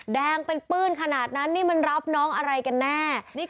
แดงเป็นปื้นขนาดนั้นนี่มันรับน้องอะไรกันแน่